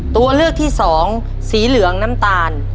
ตัวเลือกที่สองสีเหลืองน้ำตาล